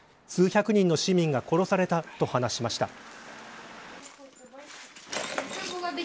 数百人の市民が殺されたと話しました。